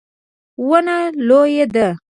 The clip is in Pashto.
ونه لویه ده